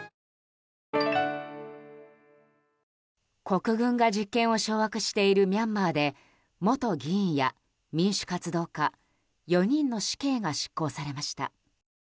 国軍が実権を掌握しているミャンマーで元議員や民主活動家４人の死刑が執行されました。